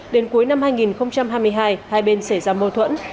đến cuối năm hai nghìn hai mươi hai hai bên xảy ra mâu thuẫn